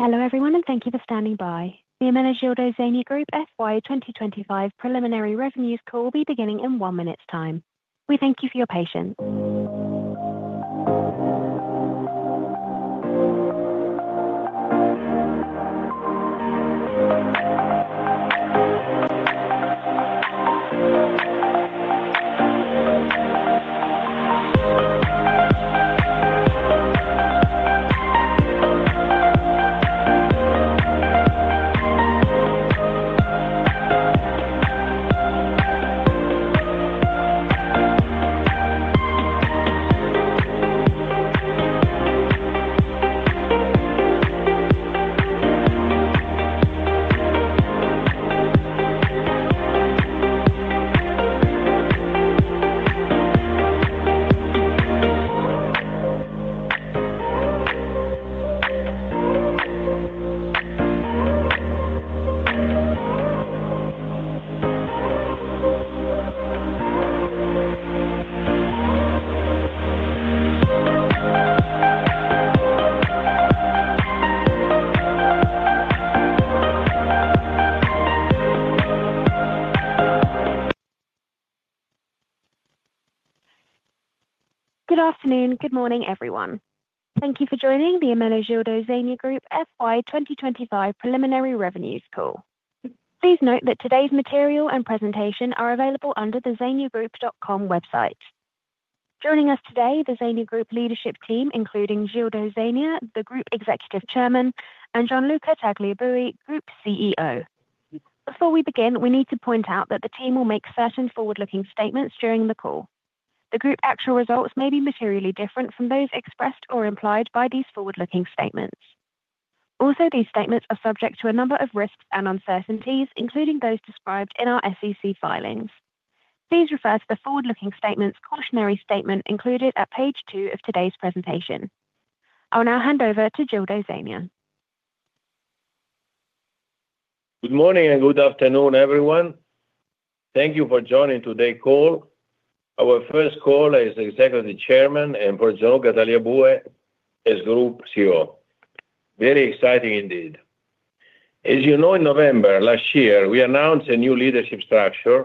Hello everyone, and thank you for standing by. The Ermenegildo Zegna Group FY 2025 preliminary revenues call will be beginning in 1 minute's time. We thank you for your patience. Good afternoon, good morning, everyone. Thank you for joining the Ermenegildo Zegna Group FY 2025 preliminary revenues call. Please note that today's material and presentation are available under the zegnagroup.com website. Joining us today, the Zegna Group leadership team, including Gianluca Tagliabue, Group CEO. Before we begin, we need to point out that the team will make certain forward-looking statements during the call. The Group's actual results may be materially different from those expressed or implied by these forward-looking statements. Also, these statements are subject to a number of risks and uncertainties, including those described in our SEC filings. Please refer to the forward-looking statements cautionary statement included at page 2 of today's presentation. I'll now hand over to Gianluca Tagliabue. Good morning and good afternoon, everyone. Thank you for joining today's call. Our first call is Executive Chairman and for Gianluca Tagliabue, as Group CEO. Very exciting indeed. As you know, in November last year, we announced a new leadership structure,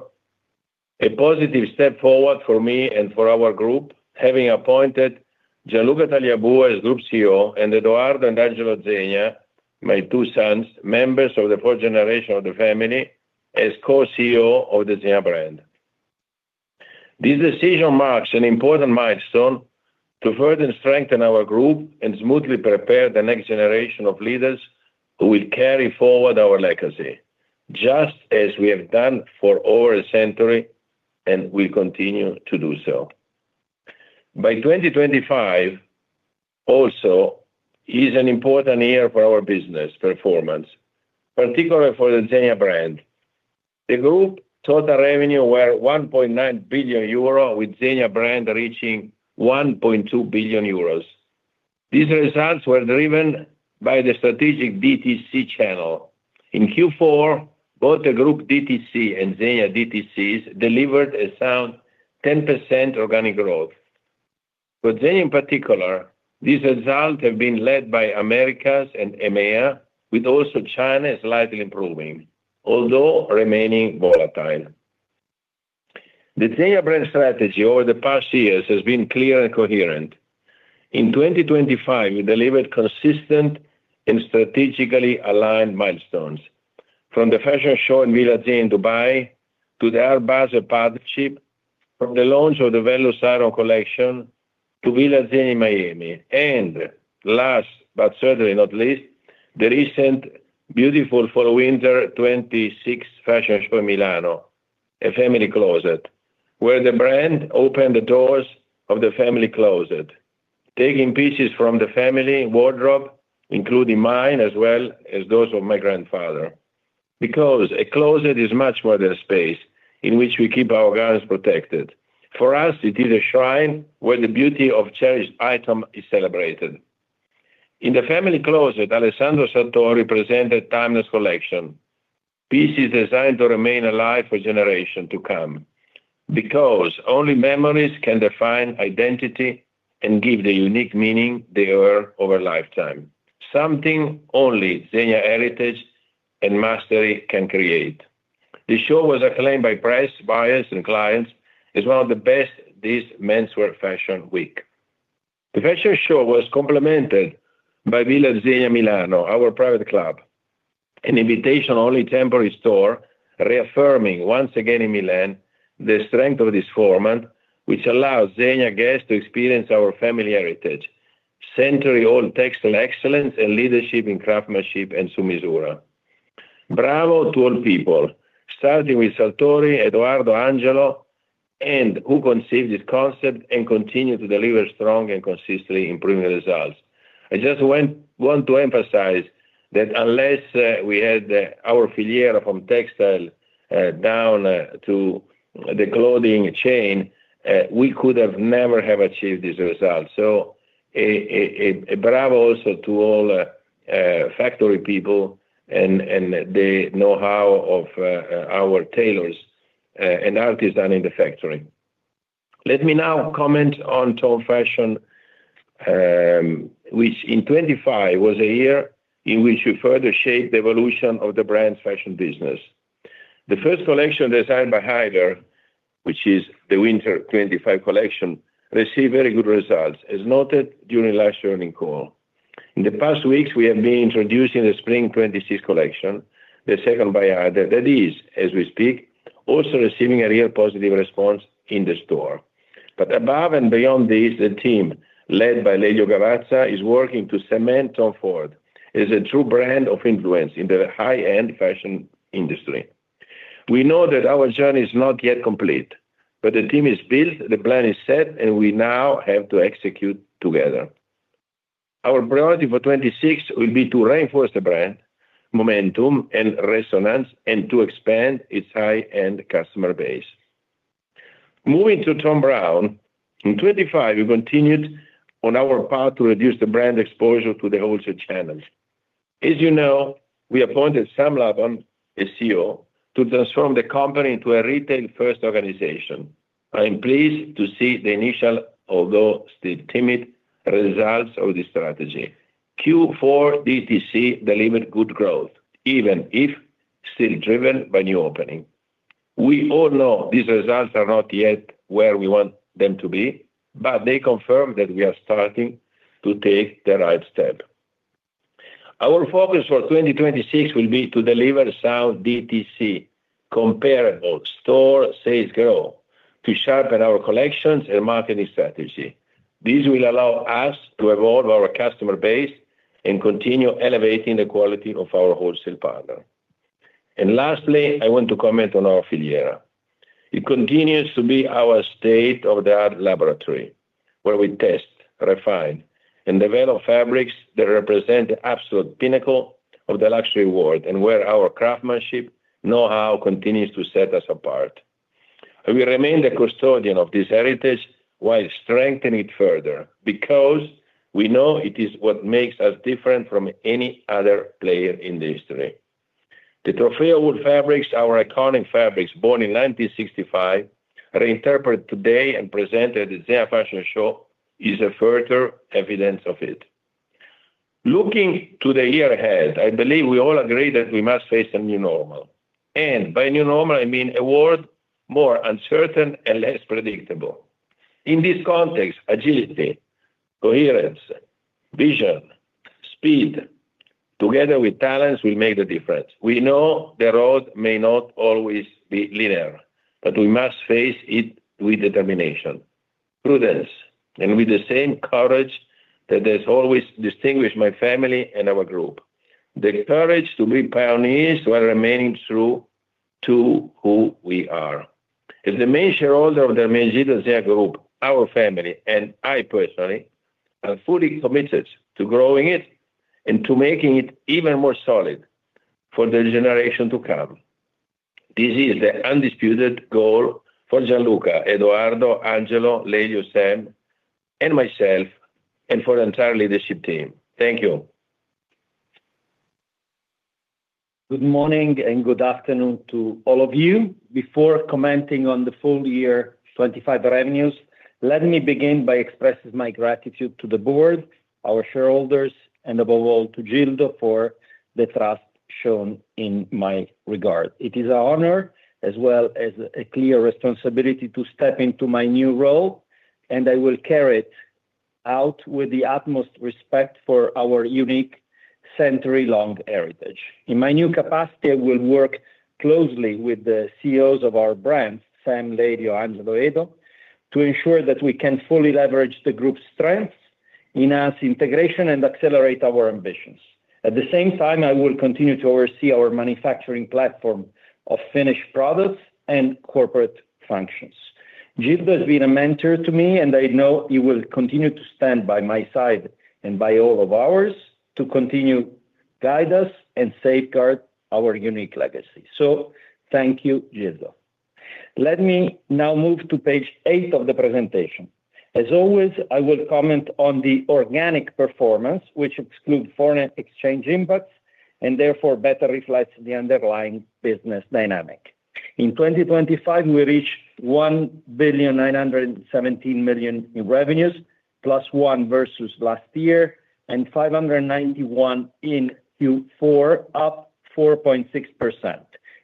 a positive step forward for me and for our group, having appointed Gianluca Tagliabue, as Group CEO, and Edoardo and Angelo Zegna, my two sons, members of the fourth generation of the family, as Co-CEO of the Zegna brand. This decision marks an important milestone to further strengthen our group and smoothly prepare the next generation of leaders who will carry forward our legacy, just as we have done for over a century and will continue to do so. By 2025 also is an important year for our business performance, particularly for the Zegna brand. The group total revenue were 1.9 billion euro, with Zegna brand reaching 1.2 billion euros. These results were driven by the strategic DTC channel. In Q4, both the Group DTC and Zegna DTCs delivered a sound 10% organic growth. For Zegna in particular, these results have been led by Americas and EMEA, with also China slightly improving, although remaining volatile. The Zegna brand strategy over the past years has been clear and coherent. In 2025, we delivered consistent and strategically aligned milestones, from the fashion show in Villa Zegna in Dubai to the Art Basel partnership, from the launch of the Vellus Aureum Collection to Villa Zegna in Miami. And last but certainly not least, the recent beautiful Fall/Winter 2026 fashion show in Milano, a family closet, where the brand opened the doors of the family closet, taking pieces from the family wardrobe, including mine as well as those of my grandfather. Because a closet is much more than a space in which we keep our garments protected. For us, it is a shrine where the beauty of cherished items is celebrated. In the family closet, Alessandro Sartori represented Timeless Collection, pieces designed to remain alive for generations to come. Because only memories can define identity and give the unique meaning they earn over a lifetime, something only Zegna heritage and mastery can create. The show was acclaimed by press, buyers, and clients as one of the best this menswear fashion week. The fashion show was complemented by Villa Zegna Milano, our private club, an invitation-only temporary store reaffirming once again in Milan the strength of this format, which allows Zegna guests to experience our family heritage, century-old textile excellence and leadership in craftsmanship and su misura. Bravo to all people, starting with Sartori, Edoardo, Angelo, and who conceived this concept and continue to deliver strong and consistently improving results. I just want to emphasize that unless we had our Filiera from textile down to the clothing chain, we could have never achieved these results. So bravo also to all factory people and the know-how of our tailors and artisans in the factory. Let me now comment on Tom Ford Fashion, which in 2025 was a year in which you further shaped the evolution of the brand's fashion business. The first collection designed by Haider, which is the Winter 2025 collection, received very good results, as noted during last year's earnings call. In the past weeks, we have been introducing the Spring 2026 collection, the second by Haider. That is, as we speak, also receiving a real positive response in the store. But above and beyond this, the team led by Lelio Gavazza is working to cement Tom Ford as a true brand of influence in the high-end fashion industry. We know that our journey is not yet complete, but the team is built, the plan is set, and we now have to execute together. Our priority for 2026 will be to reinforce the brand momentum and resonance and to expand its high-end customer base. Moving to Thom Browne, in 2025 we continued on our path to reduce the brand exposure to the wholesale channel. As you know, we appointed Sam Lobban, a CEO, to transform the company into a retail-first organization. I am pleased to see the initial, although still timid, results of this strategy. Q4 DTC delivered good growth, even if still driven by new opening. We all know these results are not yet where we want them to be, but they confirm that we are starting to take the right step. Our focus for 2026 will be to deliver sound DTC, comparable store sales growth, to sharpen our collections and marketing strategy. This will allow us to evolve our customer base and continue elevating the quality of our wholesale partner. And lastly, I want to comment on our filiera. It continues to be our state-of-the-art laboratory, where we test, refine, and develop fabrics that represent the absolute pinnacle of the luxury world and where our craftsmanship, know-how, continues to set us apart. We remain the custodian of this heritage while strengthening it further because we know it is what makes us different from any other player in the history. The Trofeo wool fabrics, our iconic fabrics born in 1965, reinterpreted today and presented at the Zegna fashion show, is further evidence of it. Looking to the year ahead, I believe we all agree that we must face a new normal. By new normal, I mean a world more uncertain and less predictable. In this context, agility, coherence, vision, speed, together with talents, will make the difference. We know the road may not always be linear, but we must face it with determination, prudence, and with the same courage that has always distinguished my family and our group, the courage to be pioneers while remaining true to who we are. As the main shareholder of the Ermenegildo Zegna Group, our family, and I personally are fully committed to growing it and to making it even more solid for the generation to come. This is the undisputed goal for Gianluca, Edoardo, Angelo, Lelio, Sam, and myself, and for the entire leadership team. Thank you. Good morning and good afternoon to all of you. Before commenting on the full year 2025 revenues, let me begin by expressing my gratitude to the board, our shareholders, and above all to Gildo Zegna for the trust shown in my regard. It is an honor as well as a clear responsibility to step into my new role, and I will carry it out with the utmost respect for our unique century-long heritage. In my new capacity, I will work closely with the CEOs of our brands, Sam, Lelio, Angelo, and Edo, to ensure that we can fully leverage the group's strengths in integration and accelerate our ambitions. At the same time, I will continue to oversee our manufacturing platform of finished products and corporate functions. Gildo Zegna has been a mentor to me, and I know he will continue to stand by my side and by all of ours to continue to guide us and safeguard our unique legacy. So thank you, Gildo Zegna. Let me now move to page 8 of the presentation. As always, I will comment on the organic performance, which excludes foreign exchange impacts and therefore better reflects the underlying business dynamic. In 2025, we reached 1.917 billion in revenues, +1% versus last year, and 591 million in Q4, up 4.6%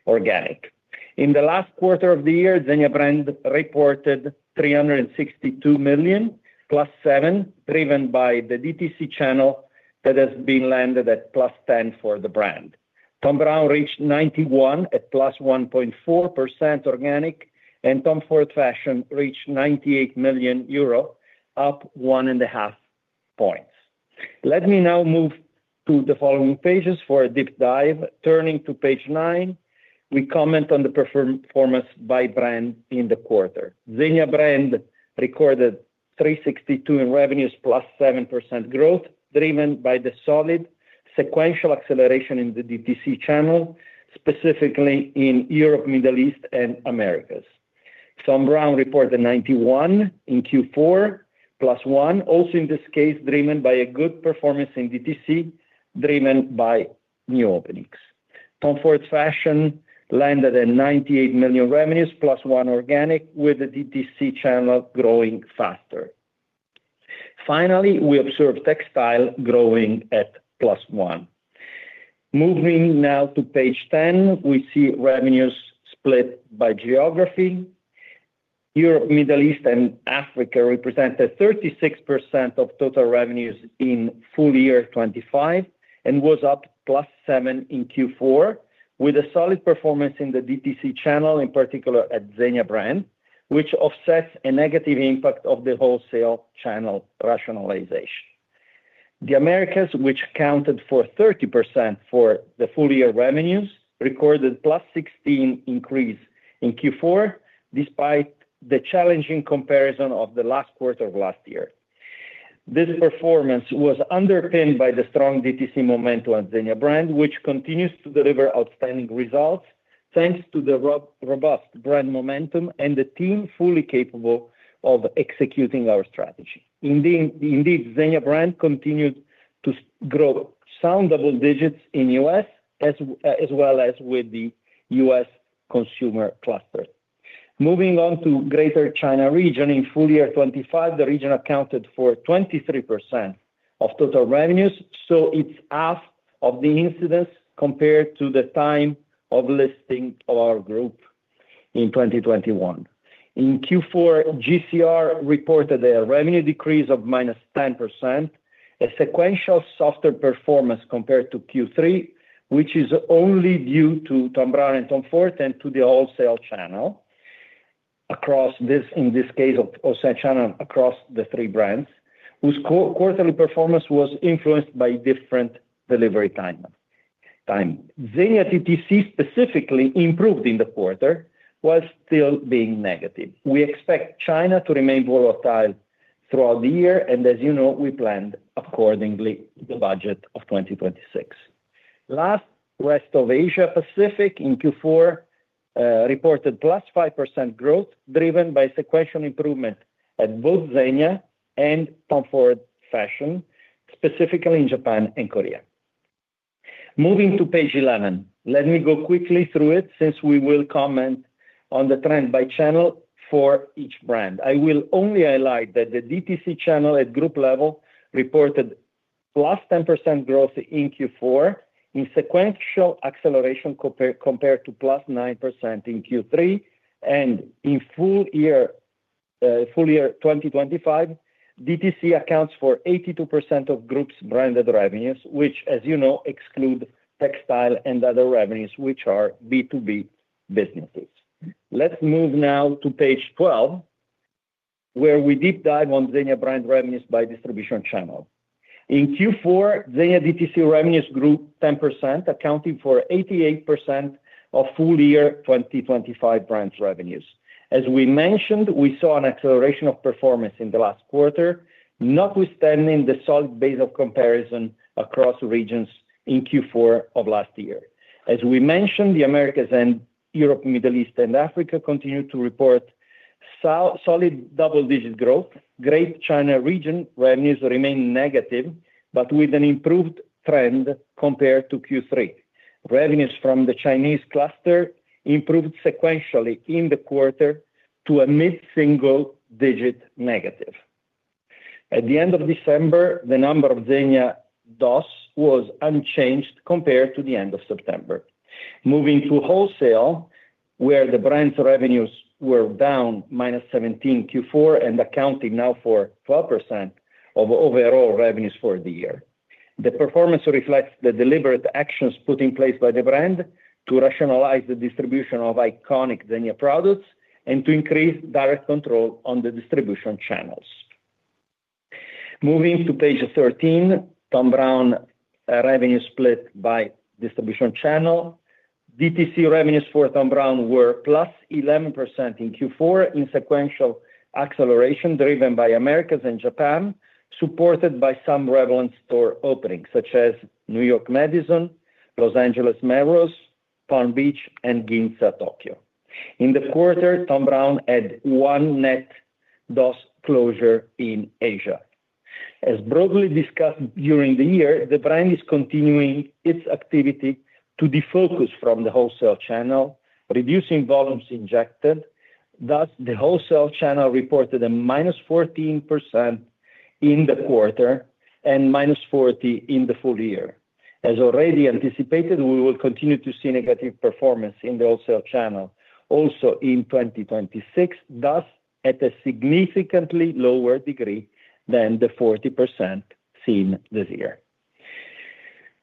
organic. In the last quarter of the year, Zegna brand reported 362 million, +7%, driven by the DTC channel that has been landed at +10% for the brand. Thom Browne reached 91 million, +1.4% organic, and Tom Ford Fashion reached 98 million euro, up 1.5 points. Let me now move to the following pages for a deep dive. Turning to page 9, we comment on the performance by brand in the quarter. Zegna brand recorded 362 million in revenues, +7% growth, driven by the solid sequential acceleration in the DTC channel, specifically in Europe, the Middle East, and Americas. Thom Browne reported 91 million in Q4, +1, also in this case, driven by a good performance in DTC, driven by new openings. Tom Ford Fashion landed at 98 million in revenues, +1 organic, with the DTC channel growing faster. Finally, we observed textile growing at +1. Moving now to page 10, we see revenues split by geography. Europe, the Middle East, and Africa represented 36% of total revenues in full year 2025 and was up +7% in Q4, with a solid performance in the DTC channel, in particular at Zegna brand, which offsets a negative impact of the wholesale channel rationalization. The Americas, which accounted for 30% for the full year revenues, recorded a +16% increase in Q4 despite the challenging comparison of the last quarter of last year. This performance was underpinned by the strong DTC momentum at Zegna brand, which continues to deliver outstanding results thanks to the robust brand momentum and the team fully capable of executing our strategy. Indeed, Zegna brand continued to grow sound double digits in the US as well as with the US consumer cluster. Moving on to the Greater China region, in full year 2025, the region accounted for 23% of total revenues. So it's half of the incidence compared to the time of listing of our group in 2021. In Q4, GCR reported a revenue decrease of -10%, a sequential softer performance compared to Q3, which is only due to Thom Browne and Tom Ford and to the wholesale channel across this in this case, the wholesale channel across the three brands, whose quarterly performance was influenced by different delivery times. Zegna DTC specifically improved in the quarter, while still being negative. We expect China to remain volatile throughout the year. And as you know, we planned accordingly the budget of 2026. Last, the rest of Asia Pacific in Q4 reported +5% growth driven by sequential improvement at both Zegna and Tom Ford Fashion, specifically in Japan and Korea. Moving to page 11, let me go quickly through it since we will comment on the trend by channel for each brand. I will only highlight that the DTC channel at group level reported +10% growth in Q4, in sequential acceleration compared to +9% in Q3. In full year 2025, DTC accounts for 82% of group's branded revenues, which, as you know, exclude textile and other revenues, which are B2B businesses. Let's move now to page 12, where we deep dive on Zegna brand revenues by distribution channel. In Q4, Zegna DTC revenues grew 10%, accounting for 88% of full year 2025 brand revenues. As we mentioned, we saw an acceleration of performance in the last quarter, notwithstanding the solid base of comparison across regions in Q4 of last year. As we mentioned, the Americas and Europe, the Middle East, and Africa continued to report solid double-digit growth. The Greater China region revenues remained negative, but with an improved trend compared to Q3. Revenues from the Chinese cluster improved sequentially in the quarter to a mid-single-digit negative. At the end of December, the number of Zegna DOS was unchanged compared to the end of September. Moving to wholesale, where the brand's revenues were down -17% Q4 and accounting now for 12% of overall revenues for the year, the performance reflects the deliberate actions put in place by the brand to rationalize the distribution of iconic Zegna products and to increase direct control on the distribution channels. Moving to page 13, Thom Browne revenue split by distribution channel. DTC revenues for Thom Browne were +11% in Q4 in sequential acceleration driven by Americas and Japan, supported by some relevant store openings such as New York Madison Avenue, Los Angeles Melrose Avenue, Palm Beach, and Ginza, Tokyo. In the quarter, Thom Browne had one net DOS closure in Asia. As broadly discussed during the year, the brand is continuing its activity to defocus from the wholesale channel, reducing volumes injected. Thus, the wholesale channel reported a -14% in the quarter and -40% in the full year. As already anticipated, we will continue to see negative performance in the wholesale channel also in 2026, thus at a significantly lower degree than the 40% seen this year.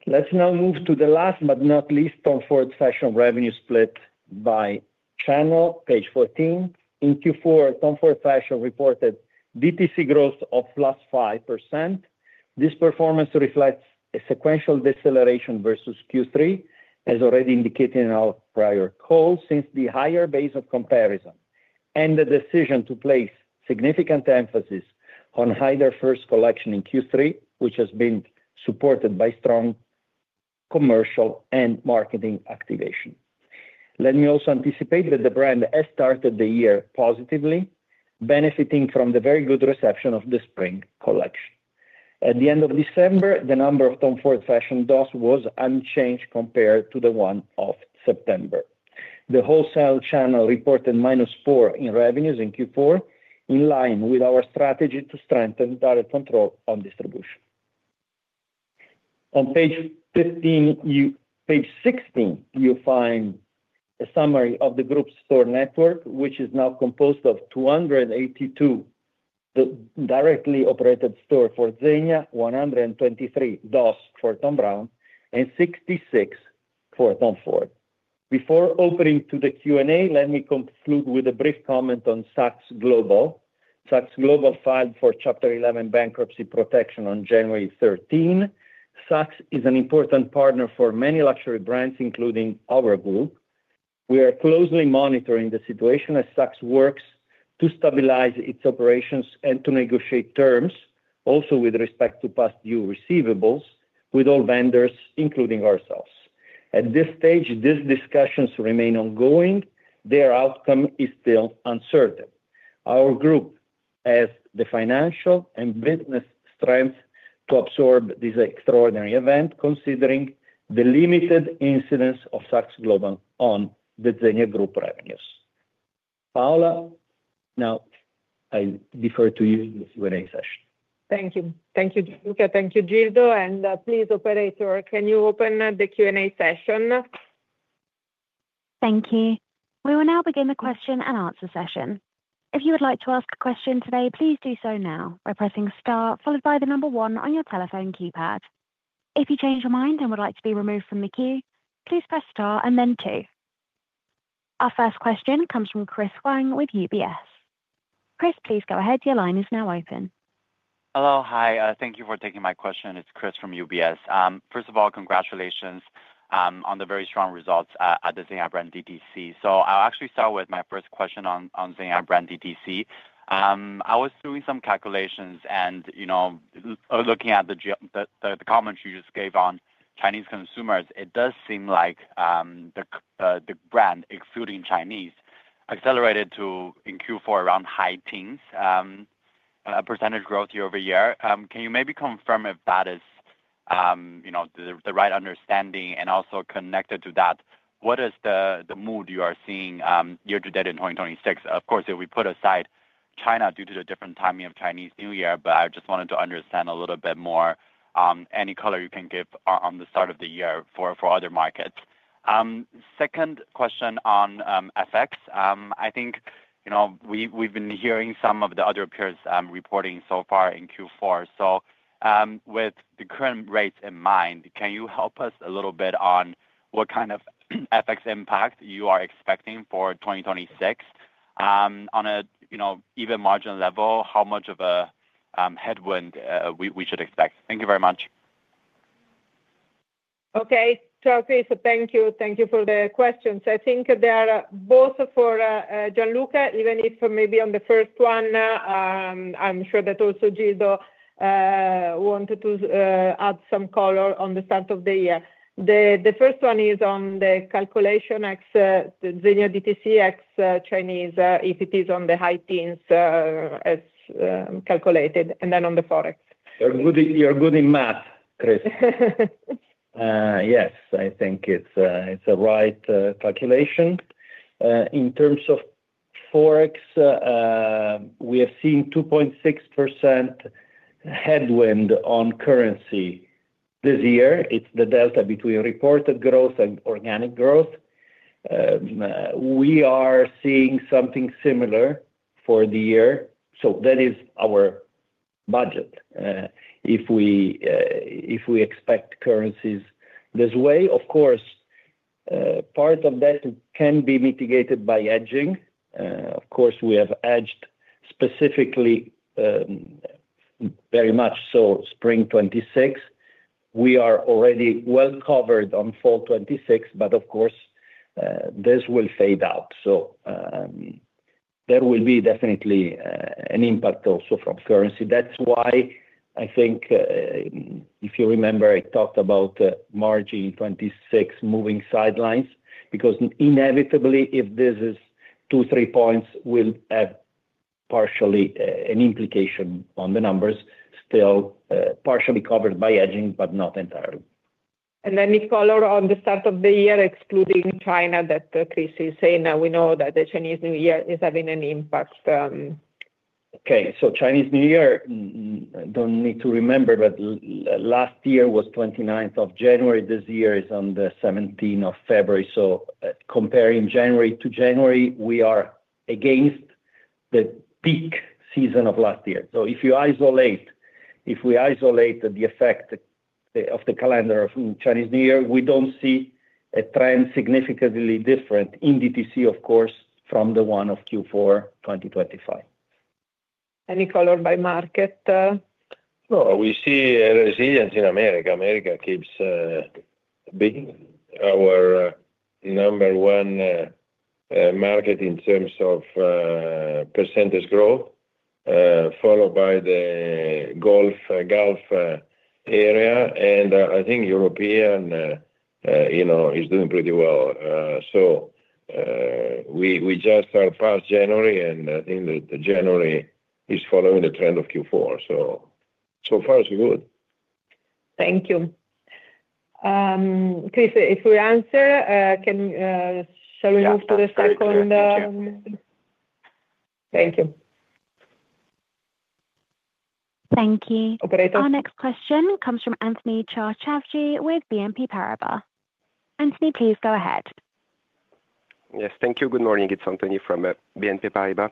Let's now move to the last but not least, Tom Ford Fashion revenue split by channel, page 14. In Q4, Tom Ford Fashion reported DTC growth of +5%. This performance reflects a sequential deceleration versus Q3, as already indicated in our prior call, since the higher base of comparison and the decision to place significant emphasis on Haider First Collection in Q3, which has been supported by strong commercial and marketing activation. Let me also anticipate that the brand has started the year positively, benefiting from the very good reception of the spring collection. At the end of December, the number of Tom Ford Fashion DOS was unchanged compared to the one of September. The wholesale channel reported -4% in revenues in Q4, in line with our strategy to strengthen direct control on distribution. On page 16, you find a summary of the group's store network, which is now composed of 282 directly operated stores for Zegna, 123 DOS for Thom Browne, and 66 for Tom Ford. Before opening to the Q&A, let me conclude with a brief comment on Saks Global. Saks Global filed for Chapter 11 bankruptcy protection on January 13. Saks is an important partner for many luxury brands, including our group. We are closely monitoring the situation as Saks works to stabilize its operations and to negotiate terms, also with respect to past due receivables, with all vendors, including ourselves. At this stage, these discussions remain ongoing. Their outcome is still uncertain. Our group has the financial and business strength to absorb this extraordinary event, considering the limited incidence of Saks Global on the Zegna Group revenues. Paola, now I defer to you in the Q&A session. Thank you. Thank you, Gianluca. Thank you, Gianluca. Please, operator, can you open the Q&A session? Thank you. We will now begin the question and answer session. If you would like to ask a question today, please do so now by pressing star, followed by the number one on your telephone keypad. If you change your mind and would like to be removed from the queue, please press star and then two. Our first question comes from Chris Huang with UBS. Chris, please go ahead. Your line is now open. Hello. Hi. Thank you for taking my question. It's Chris from UBS. First of all, congratulations on the very strong results at the Zegna brand DTC. I'll actually start with my first question on Zegna brand DTC. I was doing some calculations and looking at the comments you just gave on Chinese consumers; it does seem like the brand, excluding Chinese, accelerated in Q4 around high teens % growth year-over-year. Can you maybe confirm if that is the right understanding? And also connected to that, what is the mood you are seeing year to date in 2026? Of course, if we put aside China due to the different timing of Chinese New Year, but I just wanted to understand a little bit more, any color you can give on the start of the year for other markets. Second question on FX. I think we've been hearing some of the other peers reporting so far in Q4. So with the current rates in mind, can you help us a little bit on what kind of FX impact you are expecting for 2026? On an even margin level, how much of a headwind we should expect? Thank you very much. Okay. So Chris, thank you. Thank you for the questions. I think they are both for Gianluca, even if maybe on the first one, I'm sure that also Gianluca wanted to add some color on the start of the year. The first one is on the calculation ex Zegna DTC ex China, if it is on the high teens as calculated, and then on the Forex. You're good in math, Chris. Yes, I think it's a right calculation. In terms of Forex, we have seen 2.6% headwind on currency this year. It's the delta between reported growth and organic growth. We are seeing something similar for the year. So that is our budget if we expect currencies this way. Of course, part of that can be mitigated by hedging. Of course, we have hedged specifically very much so spring 2026. We are already well covered on fall 2026, but of course, this will fade out. So there will be definitely an impact also from currency. That's why I think, if you remember, I talked about margin in 2026 moving sideways because inevitably, if this is 2-3 points, will have partially an implication on the numbers, still partially covered by hedging, but not entirely. Any color on the start of the year, excluding China that Chris is saying now? We know that the Chinese New Year is having an impact. Okay. So Chinese New Year, I don't need to remember, but last year was 29th of January. This year is on the 17th of February. So comparing January to January, we are against the peak season of last year. So if you isolate, if we isolate the effect of the calendar of Chinese New Year, we don't see a trend significantly different in DTC, of course, from the one of Q4 2025. Any color by market? No, we see resilience in America. America keeps being our number one market in terms of percentage growth, followed by the Gulf area. I think Europe is doing pretty well. We just are past January, and I think that January is following the trend of Q4. So far, so good. Thank you. Chris, if we answer, shall we move to the second? Yeah. Thank you. Thank you. Operator? Our next question comes from Anthony Charchafji with BNP Paribas. Anthony, please go ahead. Yes. Thank you. Good morning. It's Anthony from BNP Paribas.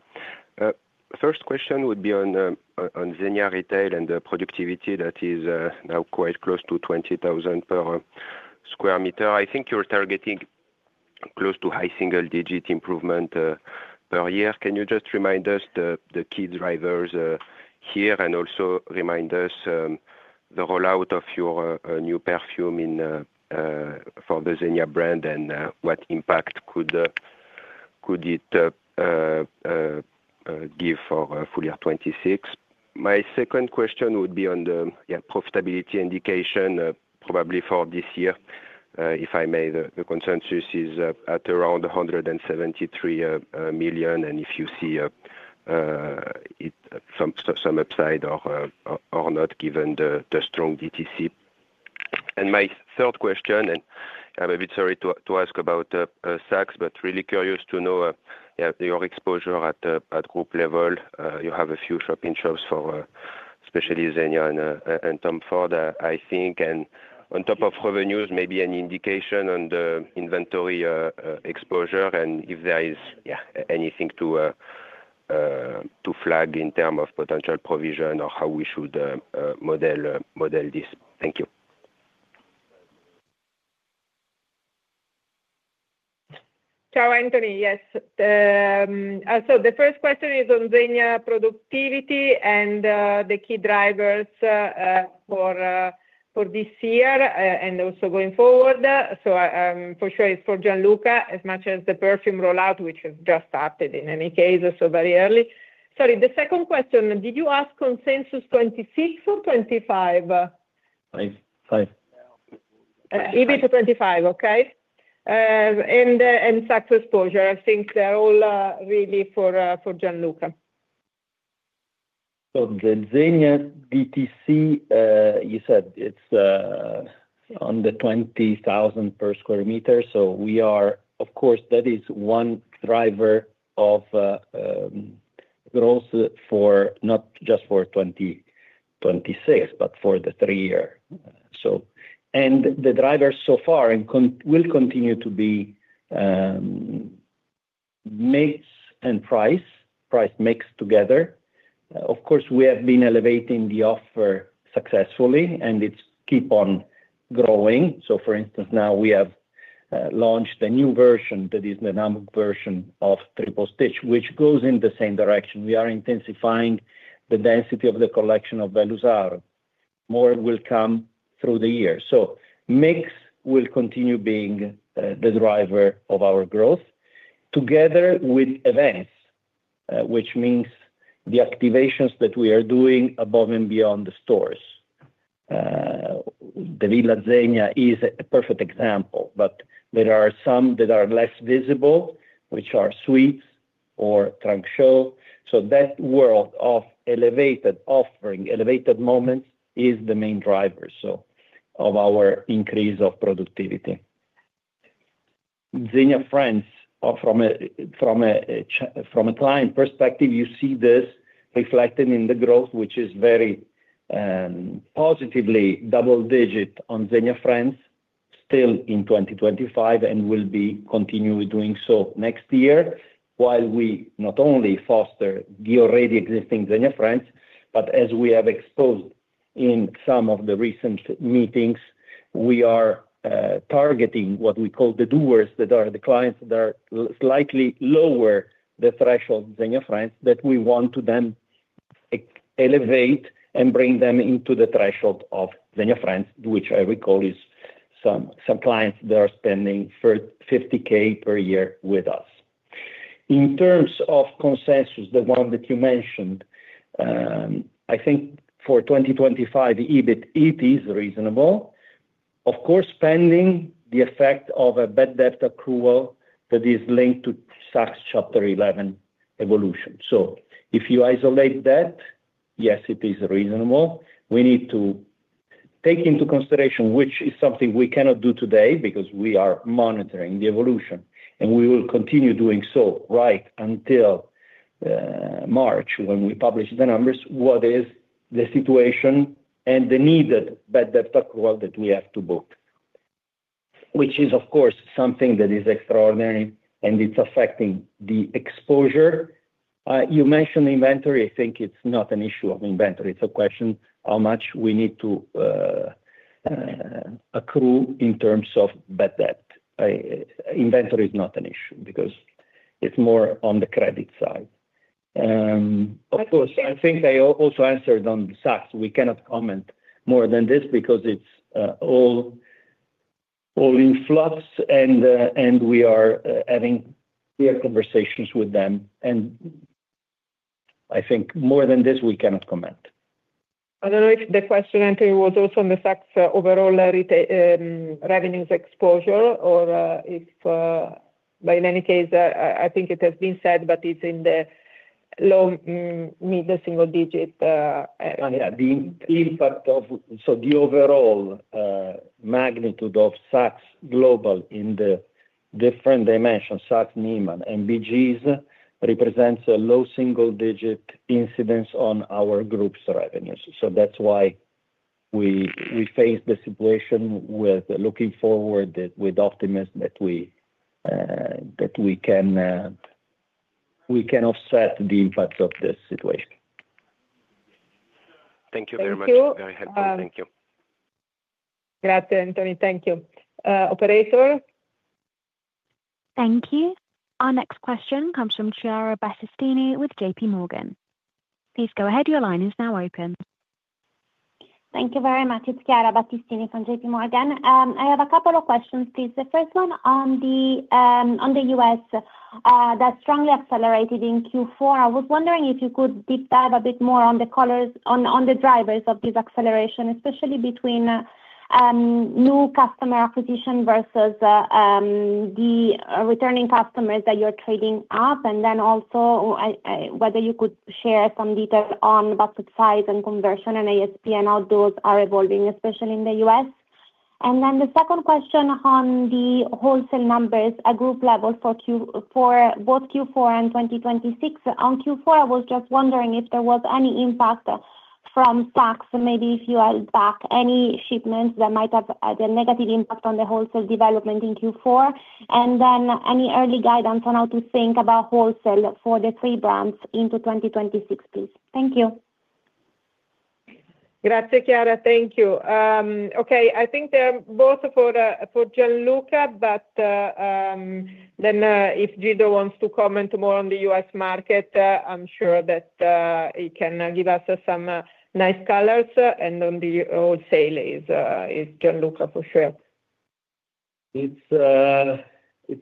First question would be on Zegna retail and the productivity that is now quite close to 20,000 per square meter. I think you're targeting close to high single-digit improvement per year. Can you just remind us the key drivers here and also remind us the rollout of your new perfume for the Zegna brand and what impact could it give for full year 2026? My second question would be on the profitability indication, probably for this year, if I may. The consensus is at around 173 million, and if you see some upside or not given the strong DTC. My third question. I'm a bit sorry to ask about Saks, but really curious to know your exposure at group level. You have a few shop-in-shops for especially Zegna and Tom Ford, I think. On top of revenues, maybe an indication on the inventory exposure and if there is anything to flag in terms of potential provision or how we should model this. Thank you. Ciao, Anthony. Yes. So the first question is on Zegna productivity and the key drivers for this year and also going forward. So for sure, it's for Gianluca as much as the perfume rollout, which has just started in any case, so very early. Sorry. The second question, did you ask consensus 2026 or 2025? '25. EBIT 2025, okay? And Saks exposure, I think they're all really for Gianluca. So the Zegna DTC, you said it's on the 20,000 per square meter. So of course, that is one driver of growth not just for 2026, but for the three-year. And the drivers so far will continue to be mix and price, price mix together. Of course, we have been elevating the offer successfully, and it's keep on growing. So for instance, now we have launched a new version that is the NAM version of Triple Stitch, which goes in the same direction. We are intensifying the density of the collection of Vellus Aureum. More will come through the year. So mix will continue being the driver of our growth together with events, which means the activations that we are doing above and beyond the stores. The Villa Zegna is a perfect example, but there are some that are less visible, which are suites or trunk show. So that world of elevated offering, elevated moments is the main driver of our increase of productivity. Zegna Friends, from a client perspective, you see this reflected in the growth, which is very positively double-digit on Zegna Friends, still in 2025, and will continue doing so next year while we not only foster the already existing Zegna Friends, but as we have exposed in some of the recent meetings, we are targeting what we call the doers, that are the clients that are slightly lower the threshold Zegna Friends that we want to then elevate and bring them into the threshold of Zegna Friends, which I recall is some clients that are spending 50,000 per year with us. In terms of consensus, the one that you mentioned, I think for 2025, the EBIT is reasonable. Of course, pending the effect of a bad debt accrual that is linked to Saks Chapter 11 evolution. So if you isolate that, yes, it is reasonable. We need to take into consideration, which is something we cannot do today because we are monitoring the evolution, and we will continue doing so right until March when we publish the numbers, what is the situation and the needed bad debt accrual that we have to book, which is, of course, something that is extraordinary, and it's affecting the exposure. You mentioned inventory. I think it's not an issue of inventory. It's a question how much we need to accrue in terms of bad debt. Inventory is not an issue because it's more on the credit side. Of course, I think I also answered on Saks. We cannot comment more than this because it's all in flux, and we are having clear conversations with them. I think more than this, we cannot comment. I don't know if the question, Anthony, was also on the Saks overall revenues exposure or if in any case, I think it has been said, but it's in the low, middle, single-digit area. Yeah. So the overall magnitude of Saks Global in the different dimensions, Saks, Neiman, and BGs represents a low single-digit incidence on our group's revenues. So that's why we face the situation with looking forward with optimism that we can offset the impacts of this situation. Thank you very much. Thank you. Go ahead. Thank you. Grazie, Anthony. Thank you. Operator? Thank you. Our next question comes from Chiara Battistini with JPMorgan. Please go ahead. Your line is now open. Thank you very much. It's Chiara Battistini from JPMorgan. I have a couple of questions, please. The first one on the U.S. that strongly accelerated in Q4. I was wondering if you could deep dive a bit more on the drivers of this acceleration, especially between new customer acquisition versus the returning customers that you're trading up, and then also whether you could share some detail on budget size and conversion and ASP and how those are evolving, especially in the U.S. And then the second question on the wholesale numbers at group level for both Q4 and 2026. On Q4, I was just wondering if there was any impact from Saks, maybe if you held back any shipments that might have had a negative impact on the wholesale development in Q4, and then any early guidance on how to think about wholesale for the three brands into 2026, please? Thank you. Grazie, Chiara. Thank you. Okay. I think they're both for Gianluca, but then if Gianluca wants to comment more on the US market, I'm sure that he can give us some nice colors. On the wholesale, it's Gianluca for sure. It's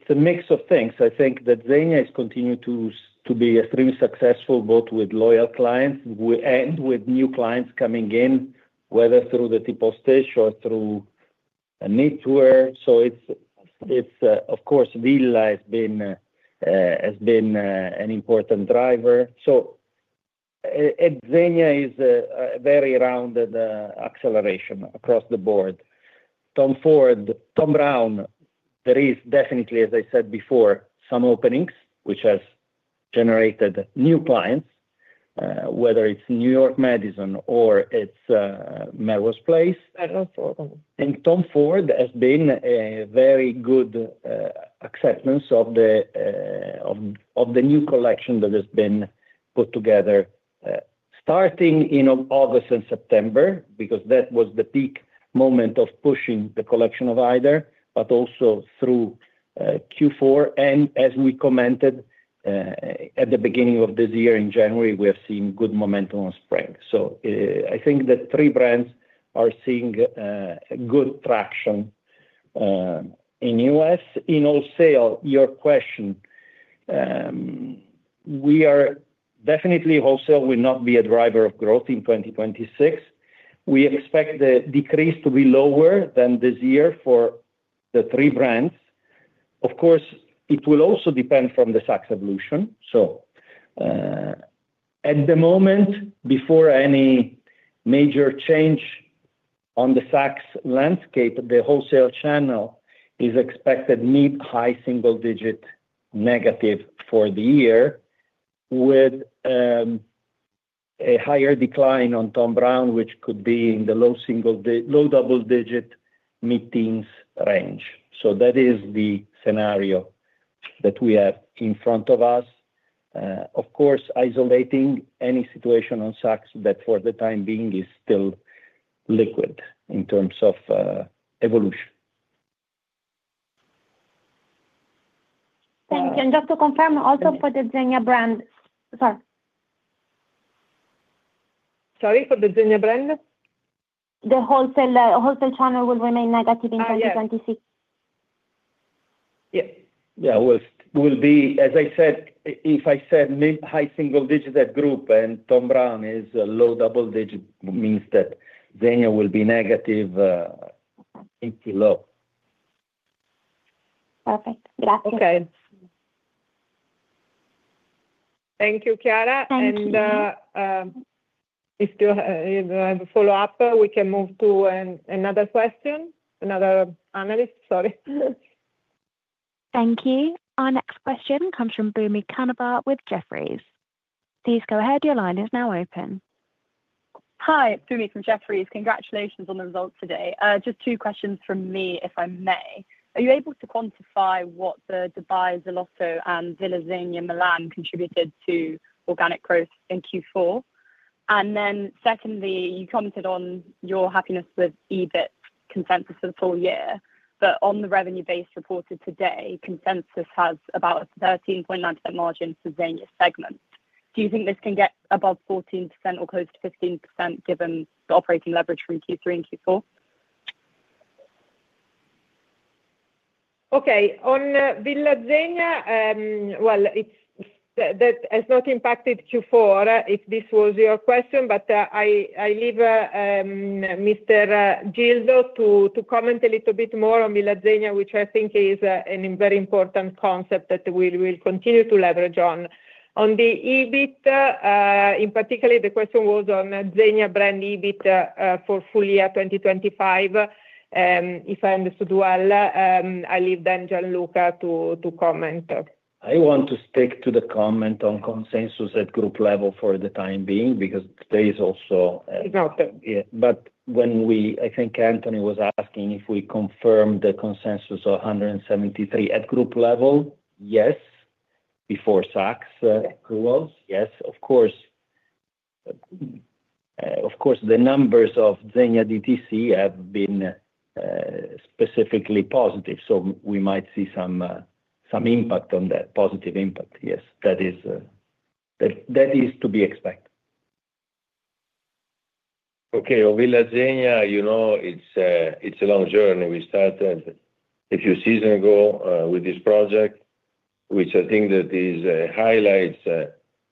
a mix of things. I think that Zegna is continuing to be extremely successful both with loyal clients and with new clients coming in, whether through the Triple Stitch or through a new tour. So of course, Villa Zegna has been an important driver. So Zegna is a very rounded acceleration across the board. Tom Ford, Thom Browne, there is definitely, as I said before, some openings, which has generated new clients, whether it's New York Madison or it's Melrose Place. And Tom Ford has been a very good acceptance of the new collection that has been put together starting in August and September because that was the peak moment of pushing the collection of Haider, but also through Q4. And as we commented at the beginning of this year in January, we have seen good momentum on spring. So I think the three brands are seeing good traction in the US. In wholesale, your question, we are definitely wholesale will not be a driver of growth in 2026. We expect the decrease to be lower than this year for the three brands. Of course, it will also depend on the Saks evolution. So at the moment, before any major change on the Saks landscape, the wholesale channel is expected to be high single-digit negative for the year with a higher decline on Thom Browne, which could be in the low double-digit negative range. So that is the scenario that we have in front of us, of course, isolating any situation on Saks that for the time being is still fluid in terms of evolution. Thank you. Just to confirm, also for the Zegna brand, sorry. Sorry? For the Zegna brand? The wholesale channel will remain negative in 2026. Yeah. Yeah. As I said, if I said high single-digit at group and Thom Browne is low double-digit, means that Zegna will be negative into low. Perfect. Grazie. Okay. Thank you, Chiara. If you have a follow-up, we can move to another question, another analyst. Sorry. Thank you. Our next question comes from Bunmi Kanabar with Jefferies. Please go ahead. Your line is now open. Hi. It's Bunmi from Jefferies. Congratulations on the results today. Just two questions from me, if I may. Are you able to quantify what the Dubai Salotto and Villa Zegna Milan contributed to organic growth in Q4? And then secondly, you commented on your happiness with EBIT consensus for the full year, but on the revenue base reported today, consensus has about a 13.9% margin for Zegna segment. Do you think this can get above 14% or close to 15% given the operating leverage from Q3 and Q4? Okay. On Villa Zegna, well, it has not impacted Q4 if this was your question, but I leave Mr. Gildo to comment a little bit more on Villa Zegna, which I think is a very important concept that we will continue to leverage on. On the EBIT, in particular, the question was on Zegna brand EBIT for full year 2025. If I understood well, I leave then Gianluca to comment. I want to stick to the comment on consensus at group level for the time being, because there is also. Is not. Yeah. But when we, I think Anthony was asking if we confirm the consensus of 173 at group level, yes, before Saks accruals, yes. Of course, the numbers of Zegna DTC have been specifically positive, so we might see some impact on that, positive impact. Yes, that is to be expected. Okay. Villa Zegna, it's a long journey. We started a few seasons ago with this project, which I think that highlights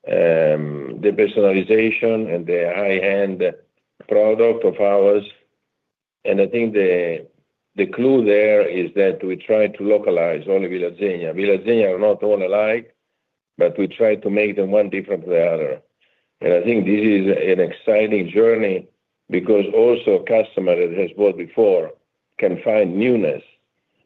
the personalization and the high-end product of ours. I think the clue there is that we try to localize only Villa Zegna. Villa Zegna are not all alike, but we try to make them one different from the other. I think this is an exciting journey because also a customer that has bought before can find newness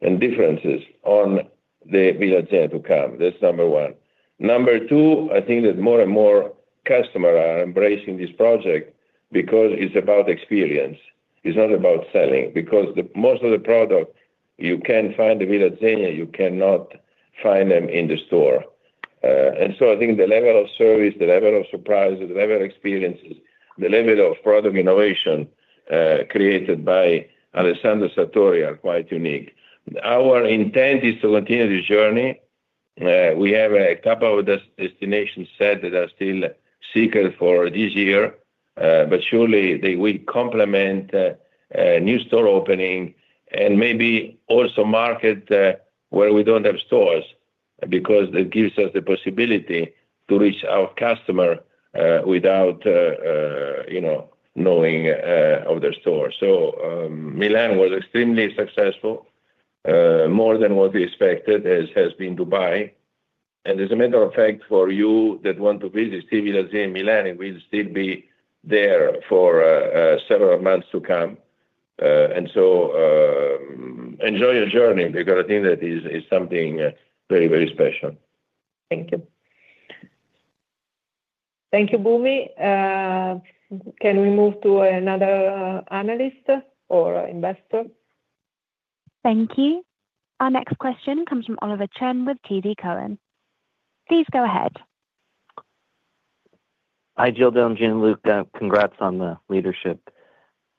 and differences on the Villa Zegna to come. That's number one. Number two, I think that more and more customers are embracing this project because it's about experience. It's not about selling because most of the product, you can find the Villa Zegna, you cannot find them in the store. And so I think the level of service, the level of surprises, the level of experiences, the level of product innovation created by Alessandro Sartori are quite unique. Our intent is to continue this journey. We have a couple of destinations set that are still seekers for this year, but surely we complement new store opening and maybe also market where we don't have stores because that gives us the possibility to reach our customer without knowing of their store. So Milan was extremely successful, more than what we expected, as has been Dubai. And as a matter of fact, for you that want to visit still Villa Zegna in Milan, it will still be there for several months to come. And so enjoy your journey because I think that is something very, very special. Thank you. Thank you, Boomi. Can we move to another analyst or investor? Thank you. Our next question comes from Oliver Chen with TD Cowen. Please go ahead. Hi, Gildo and Gianluca. Congrats on the leadership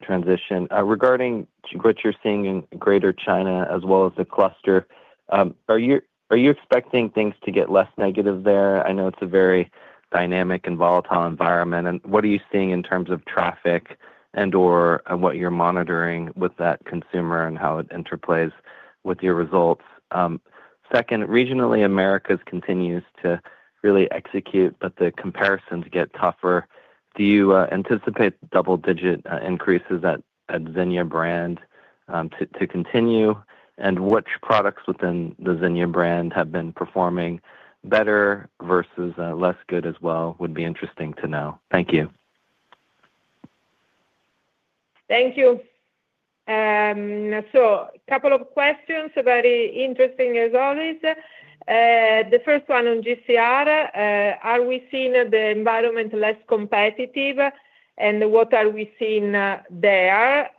transition. Regarding what you're seeing in Greater China as well as the cluster, are you expecting things to get less negative there? I know it's a very dynamic and volatile environment. What are you seeing in terms of traffic and/or what you're monitoring with that consumer and how it interplays with your results? Second, regionally, America continues to really execute, but the comparisons get tougher. Do you anticipate double-digit increases at Zegna brand to continue? Which products within the Zegna brand have been performing better versus less good as well would be interesting to know. Thank you. Thank you. So a couple of questions, very interesting as always. The first one on GCR, are we seeing the environment less competitive, and what are we seeing there?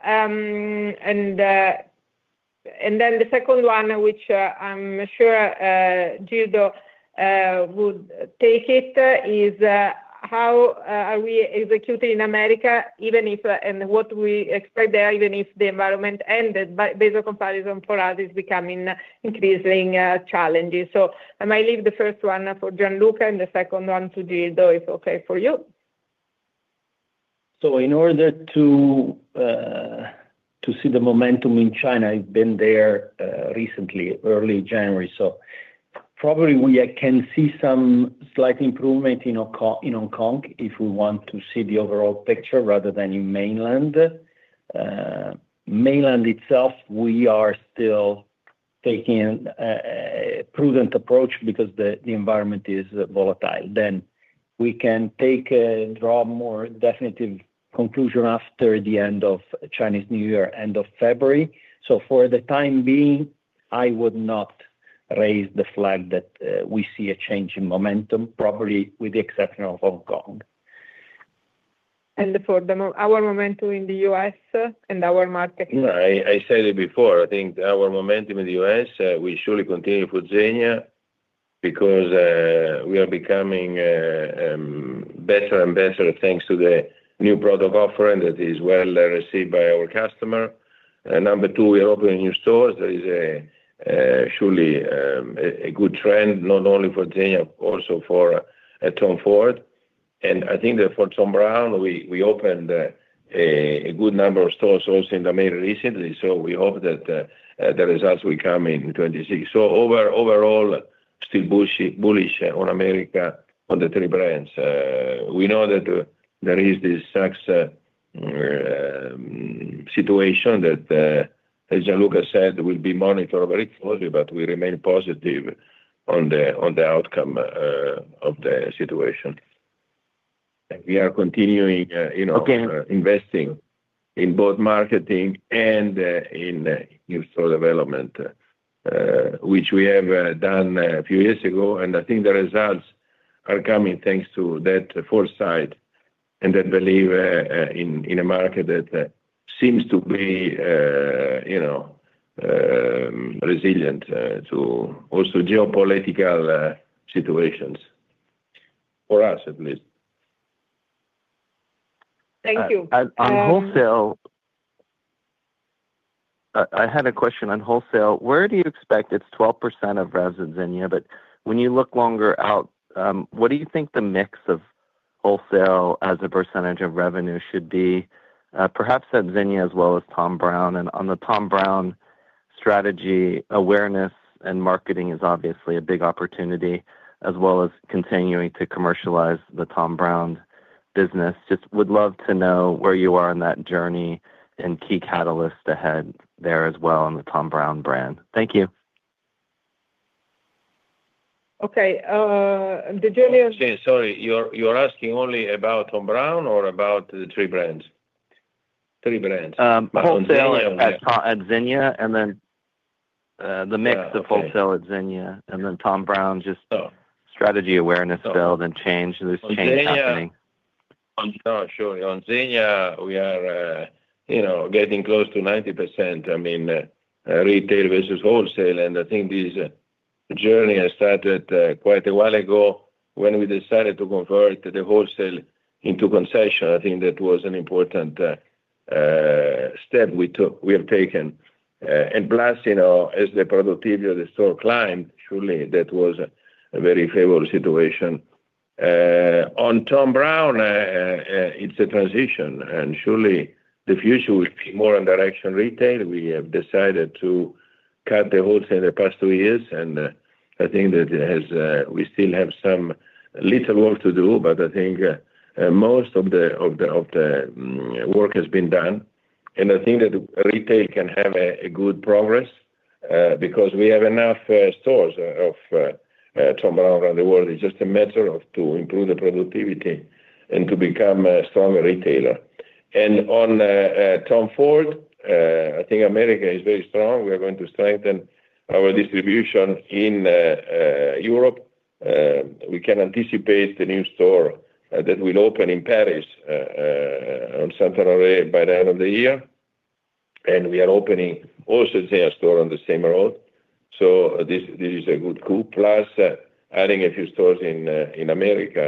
And then the second one, which I'm sure Gildo would take it, is how are we executing in America and what we expect there even if the environment ended, based on comparison for others becoming increasingly challenging. So I might leave the first one for Gianluca and the second one to Gildo if okay for you. So in order to see the momentum in China, I've been there recently, early January. So probably we can see some slight improvement in Hong Kong if we want to see the overall picture rather than in mainland. Mainland itself, we are still taking a prudent approach because the environment is volatile. Then we can draw a more definitive conclusion after the end of Chinese New Year, end of February. So for the time being, I would not raise the flag that we see a change in momentum, probably with the exception of Hong Kong. For our momentum in the U.S. and our market? No, I said it before. I think our momentum in the U.S., we surely continue for Zegna because we are becoming better and better thanks to the new product offering that is well received by our customer. Number two, we are opening new stores. There is surely a good trend, not only for Zegna, also for Tom Ford. And I think that for Thom Browne, we opened a good number of stores also in the main recently. So we hope that the results will come in 2026. So overall, still bullish on America on the three brands. We know that there is this Saks situation that, as Gianluca said, will be monitored very closely, but we remain positive on the outcome of the situation. And we are continuing investing in both marketing and in new store development, which we have done a few years ago. I think the results are coming thanks to that foresight and that belief in a market that seems to be resilient to also geopolitical situations, for us at least. Thank you. On wholesale, I had a question on wholesale. Where do you expect it's 12% of revenues in Zegna? But when you look longer out, what do you think the mix of wholesale as a percentage of revenue should be? Perhaps at Zegna as well as Thom Browne. And on the Thom Browne strategy, awareness and marketing is obviously a big opportunity, as well as continuing to commercialize the Thom Browne business. Just would love to know where you are on that journey and key catalysts ahead there as well on the Thom Browne brand. Thank you. Okay. Did you only? Sorry. You are asking only about Thom Browne or about the three brands? Three brands. Wholesale at Zegna and then the mix of wholesale at Zegna and then Thom Browne, just strategy awareness build and change. There's change happening. On Zegna? Oh, sure. On Zegna, we are getting close to 90%. I mean, retail versus wholesale. And I think this journey has started quite a while ago when we decided to convert the wholesale into concession. I think that was an important step we have taken. And plus, as the productivity of the store climbed, surely that was a very favorable situation. On Thom Browne, it's a transition. And surely the future will be more in the direction retail. We have decided to cut the wholesale in the past two years. And I think that we still have some little work to do, but I think most of the work has been done. And I think that retail can have a good progress because we have enough stores of Thom Browne around the world. It's just a matter of improving the productivity and to become a stronger retailer. On Tom Ford, I think America is very strong. We are going to strengthen our distribution in Europe. We can anticipate the new store that will open in Paris on Rue Saint-Honoré by the end of the year. We are opening also Zegna store on the same road. So this is a good coup, plus adding a few stores in America.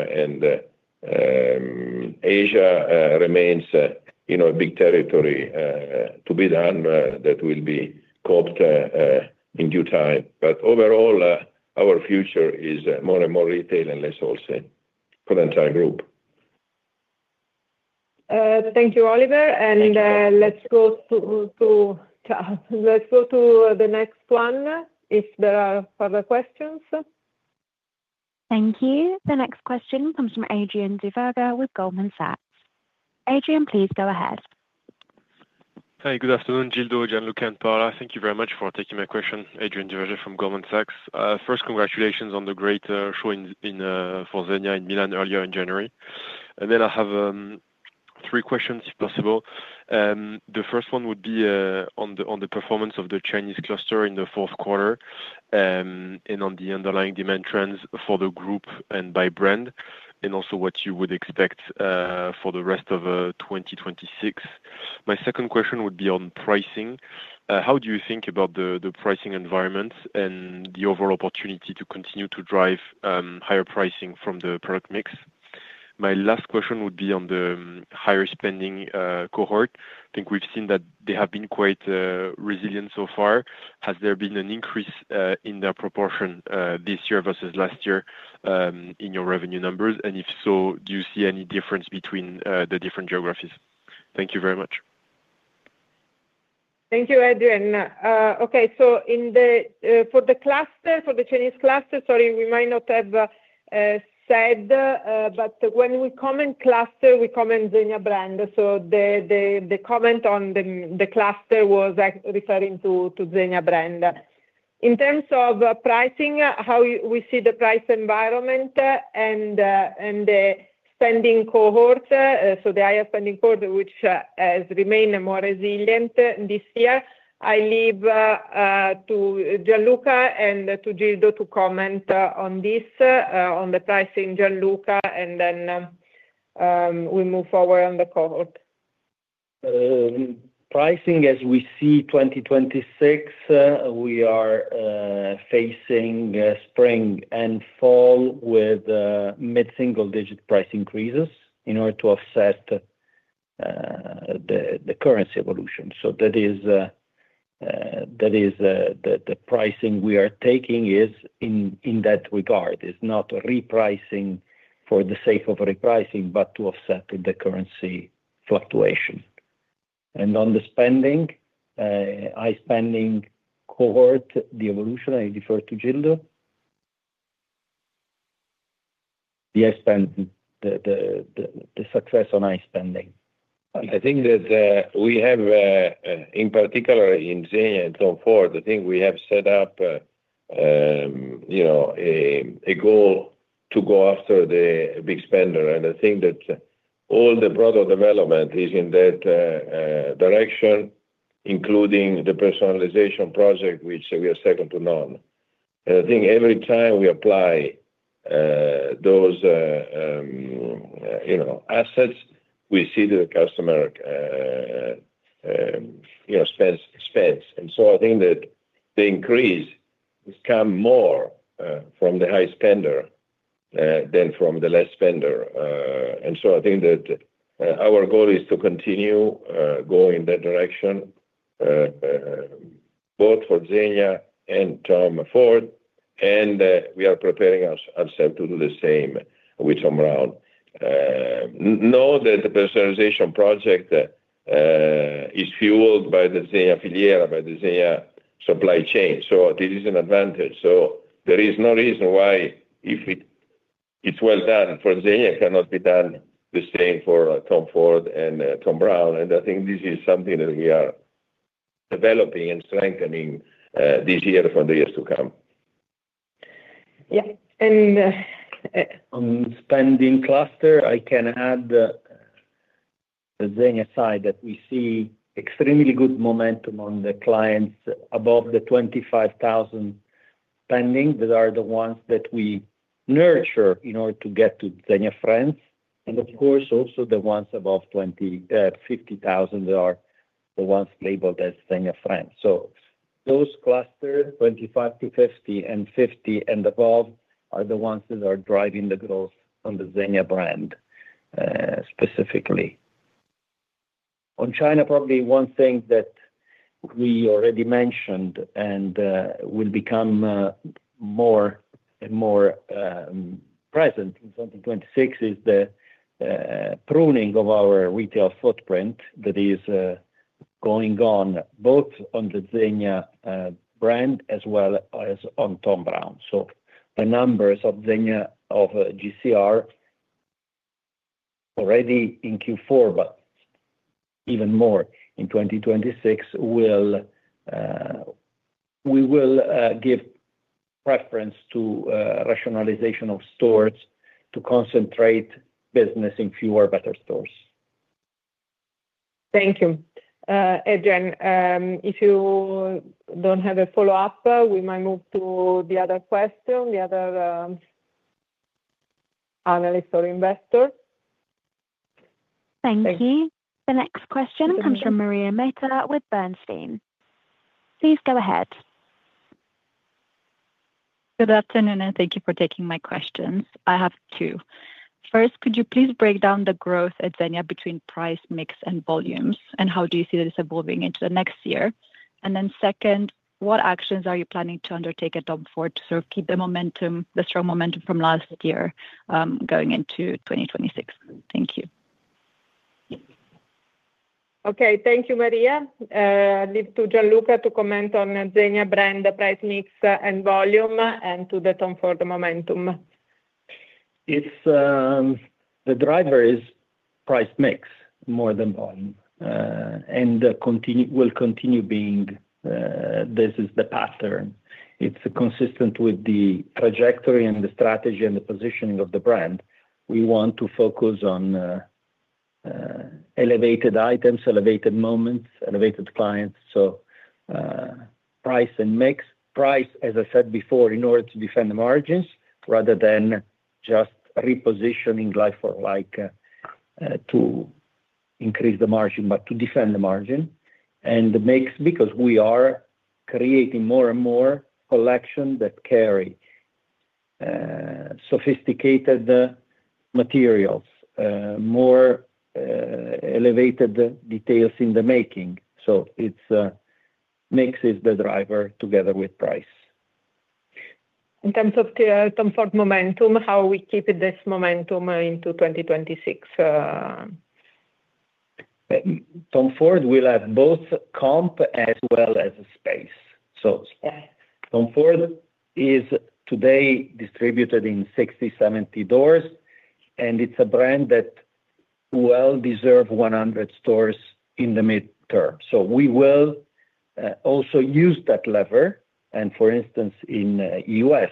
Asia remains a big territory to be done that will be tapped in due time. But overall, our future is more and more retail and less wholesale for the entire group. Thank you, Oliver. Let's go to the next one if there are further questions. Thank you. The next question comes from Adrian Duverger with Goldman Sachs. Adrian, please go ahead. Hey. Good afternoon, Gildo, Gianluca, and Paola. Thank you very much for taking my question, Adrian Duverger from Goldman Sachs. First, congratulations on the great show for Zegna in Milan earlier in January. Then I have three questions if possible. The first one would be on the performance of the Chinese cluster in the fourth quarter and on the underlying demand trends for the group and by brand, and also what you would expect for the rest of 2026. My second question would be on pricing. How do you think about the pricing environment and the overall opportunity to continue to drive higher pricing from the product mix? My last question would be on the higher spending cohort. I think we've seen that they have been quite resilient so far. Has there been an increase in their proportion this year versus last year in your revenue numbers? If so, do you see any difference between the different geographies? Thank you very much. Thank you, Adrian. Okay. So for the Chinese cluster, sorry, we might not have said, but when we comment cluster, we comment Zegna brand. So the comment on the cluster was referring to Zegna brand. In terms of pricing, how we see the price environment and the spending cohort, so the higher spending cohort, which has remained more resilient this year, I leave to Gianluca and to Gildo to comment on this, on the pricing Gianluca, and then we move forward on the cohort. Pricing, as we see 2026, we are facing spring and fall with mid-single-digit price increases in order to offset the currency evolution. So that is the pricing we are taking in that regard. It's not a repricing for the sake of repricing, but to offset the currency fluctuation. On the high spending cohort, the evolution, I refer to Gildo. The success on high spending. I think that we have, in particular, in Zegna and Tom Ford, I think we have set up a goal to go after the big spender. I think that all the product development is in that direction, including the personalization project, which we are second to none. I think every time we apply those assets, we see that the customer spends. So I think that the increase has come more from the high spender than from the less spender. So I think that our goal is to continue going in that direction, both for Zegna and Tom Ford. We are preparing ourselves to do the same with Thom Browne. Know that the personalization project is fueled by the Zegna Filiera, by the Zegna supply chain. This is an advantage. There is no reason why if it's well done, for Zegna, it cannot be done the same for Tom Ford and Thom Browne. I think this is something that we are developing and strengthening this year for the years to come. Yeah. And. On spending cluster, I can add the Zegna side that we see extremely good momentum on the clients above the 25,000 spending. These are the ones that we nurture in order to get to Zegna Friends. And of course, also the ones above 50,000 are the ones labeled as Zegna Friends. So those clusters, 25 to 50 and 50 and above, are the ones that are driving the growth on the Zegna brand specifically. On China, probably one thing that we already mentioned and will become more and more present in 2026 is the pruning of our retail footprint that is going on both on the Zegna brand as well as on Thom Browne. So the numbers of GCR already in Q4, but even more in 2026, we will give preference to rationalization of stores to concentrate business in fewer, better stores. Thank you. Adrian, if you don't have a follow-up, we might move to the other question, the other analyst or investor. Thank you. The next question comes from Maria Meita with Bernstein. Please go ahead. Good afternoon, and thank you for taking my questions. I have two. First, could you please break down the growth at Zegna between price mix and volumes, and how do you see that it's evolving into the next year? And then second, what actions are you planning to undertake at Tom Ford to sort of keep the strong momentum from last year going into 2026? Thank you. Okay. Thank you, Maria. I leave to Gianluca to comment on Zegna brand, price mix, and volume, and to the Tom Ford momentum. The driver is price mix more than volume and will continue being. This is the pattern. It's consistent with the trajectory and the strategy and the positioning of the brand. We want to focus on elevated items, elevated moments, elevated clients. So price and mix. Price, as I said before, in order to defend the margins rather than just repositioning life or like to increase the margin, but to defend the margin and the mix because we are creating more and more collection that carry sophisticated materials, more elevated details in the making. So mix is the driver together with price. In terms of Tom Ford momentum, how we keep this momentum into 2026? Tom Ford will have both comp as well as space. So Tom Ford is today distributed in 60-70 doors. And it's a brand that will deserve 100 stores in the mid-term. So we will also use that lever. And for instance, in the US,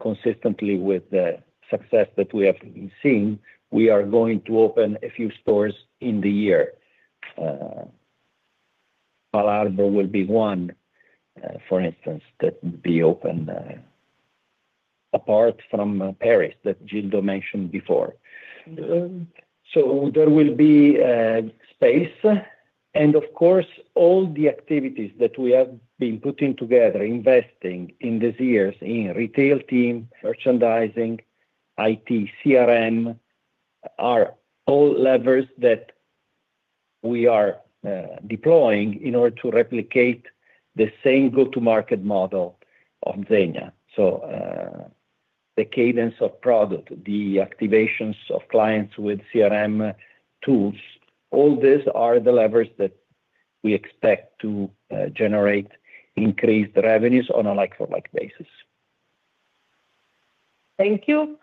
consistently with the success that we have seen, we are going to open a few stores in the year. Bal Harbour will be one, for instance, that will be open apart from Paris that Gildo mentioned before. So there will be space. And of course, all the activities that we have been putting together, investing in these years in retail team, merchandising, IT, CRM, are all levers that we are deploying in order to replicate the same go-to-market model of Zegna. The cadence of product, the activations of clients with CRM tools, all these are the levers that we expect to generate increased revenues on a like-for-like basis. Thank you.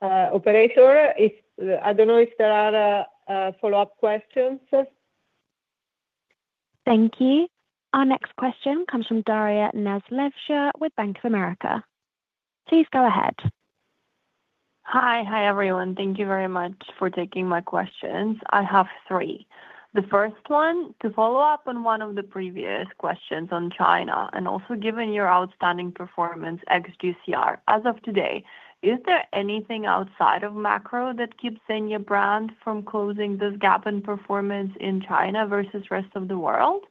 Operator, I don't know if there are follow-up questions? Thank you. Our next question comes from Daria Nasledysheva with Bank of America. Please go ahead. Hi. Hi, everyone. Thank you very much for taking my questions. I have three. The first one, to follow up on one of the previous questions on China and also given your outstanding performance ex-GCR as of today, is there anything outside of macro that keeps Zegna brand from closing this gap in performance in China versus rest of the world